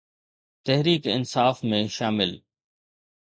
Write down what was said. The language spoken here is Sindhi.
تحريڪ انصاف ۾ شامل